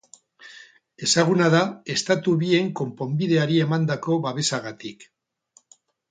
Ezaguna da Estatu bien konponbideari emandako babesagatik.